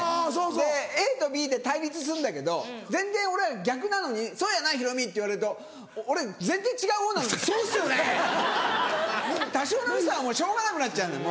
でＡとＢで対立するんだけど全然俺逆なのに「そうやなヒロミ」って言われると俺全然違うほうなのに「そうっすよね！」。多少のミスはしょうがなくなっちゃうのよ